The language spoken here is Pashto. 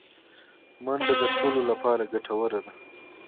منډه د ټولو لپاره ګټوره ده